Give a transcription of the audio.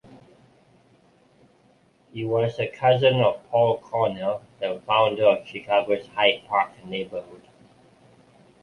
He was a cousin of Paul Cornell, the founder of Chicago's Hyde Park neighborhood.